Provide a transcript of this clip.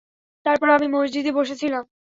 তারপর আমি মসজিদে বসেছিলাম।